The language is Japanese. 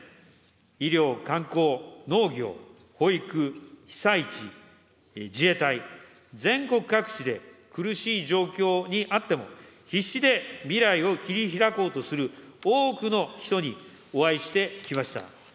医療、観光、農業、保育、被災地、自衛隊、全国各地で苦しい状況にあっても、必死で未来を切りひらこうとする多くの人にお会いしてきました。